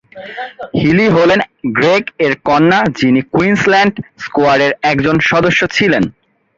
হিলি হলেন গ্রেগ এর কন্যা যিনি কুইন্সল্যান্ড স্কোয়াডের একজন সদস্য ছিলেন।